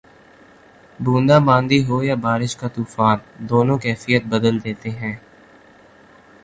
بوندا باندی ہو یا بارش کا طوفان، دونوں کیفیت بدل دیتے ہیں۔